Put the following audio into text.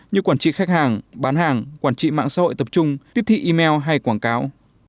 như quản trị khách hàng bán hàng quản trị mạng xã hội tập trung tiếp thị email hay quảng cáo